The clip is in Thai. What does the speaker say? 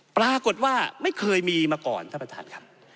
ปรากฏว่าไม่เคยมีมาก่อนท่านประธานครับ